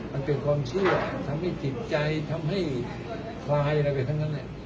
มันเป็นความเชื่อทำให้จิตใจทำให้ควายอะไรไปทั้งนั้น